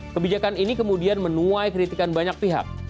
kebijakan ini kemudian menuai kritikan banyak pihak